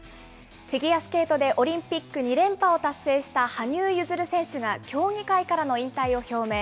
フィギュアスケートでオリンピック２連覇を達成した羽生結弦選手が、競技会からの引退を表明。